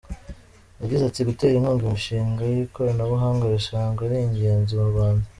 Yagize ati “Gutera inkunga imishinga y’ikoranabuhanga bisanzwe ari ingenzi mu Rwanda.